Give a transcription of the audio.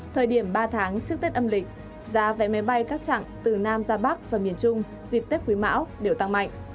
thời điểm ba tháng trước tết âm lịch giá vé máy bay các chặng từ nam ra bắc và miền trung dịp tết quý mão đều tăng mạnh